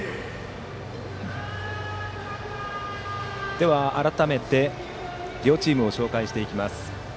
では、改めて両チームをご紹介します。